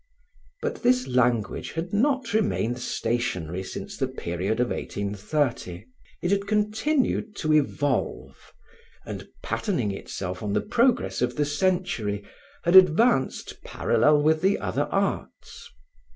But this language had not remained stationery since the period of 1830. It had continued to evolve and, patterning itself on the progress of the century, had advanced parallel with the other arts.